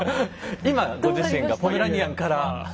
今ご自身がポメラニアンからフフッ。